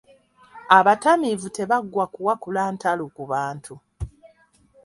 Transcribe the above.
Abatamiivu tebaggwa kuwakula ntalo ku bantu.